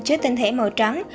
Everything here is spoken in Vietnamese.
chứa tinh thể màu trắng